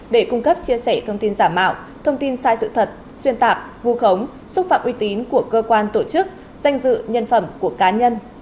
để cung cấp chia sẻ thông tin giả mạo thông tin sai sự thật xuyên tạp vu khống xúc phạm uy tín của cơ quan tổ chức danh dự nhân phẩm của cá nhân